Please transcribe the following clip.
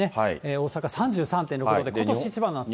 大阪３３．６度で、ことし一番の暑さ。